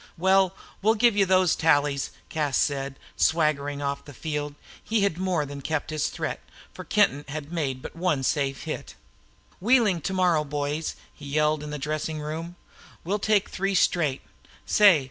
"Well, we'll give you those tallies," said Cas, swaggering off the field. He had more than kept his threat, for Kenton made but one safe hit. "Wheeling to morrow, boys," he yelled in the dressing room. "We'll take three straight. Say!